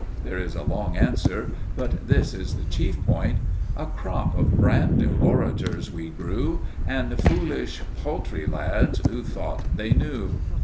There is a long answer, but this is the chief point: A crop of brand new orators we grew, And foolish, paltry lads who thought they knew.